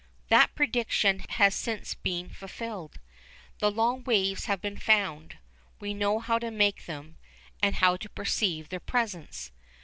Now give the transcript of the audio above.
That prediction has since been fulfilled. The long waves have been found; we know how to make them and how to perceive their presence.